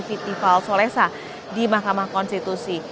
fitival solesa di mahkamah konstitusi